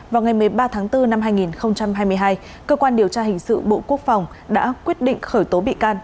vào ngày một mươi ba tháng bốn năm hai nghìn hai mươi hai cơ quan điều tra hình sự bộ quốc phòng đã quyết định khởi tố bị can